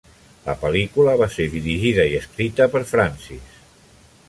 La pel·lícula va ser dirigida i escrita per Francis.